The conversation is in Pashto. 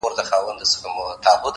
اخلاق د شخصیت ریښتینی معیار دی,